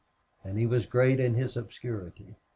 And he was great in his obscurity.